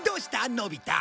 のび太。